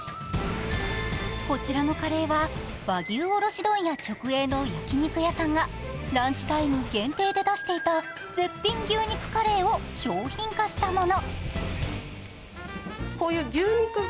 こちらのカレーは和牛卸問屋直営の焼き肉屋さんがランチタイム限定で出していた絶品牛肉カレーを商品化したもの。